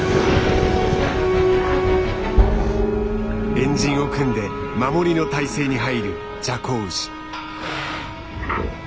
円陣を組んで守りの態勢に入るジャコウウシ。